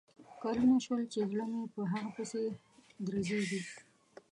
کلونه شول چې زړه مې په هغه پسې درزیږي